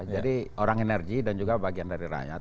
jadi orang energi dan juga bagian dari rakyat